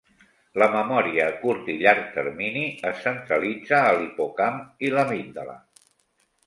La memòria a curt i llarg termini es centralitza a l'hipocamp i l'amígdala.